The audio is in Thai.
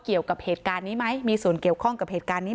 เกี่ยวกับเหตุการณ์นี้ไหมมีส่วนเกี่ยวข้องกับเหตุการณ์นี้